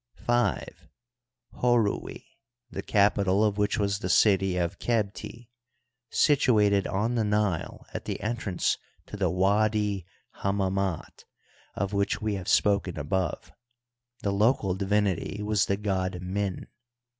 V. Horui, the capital of which was the city of Qebti, situated on the Nile at the entrance to the W&di Hammam^t, of which we have spoken above ; the local divinity was the god Min, VI.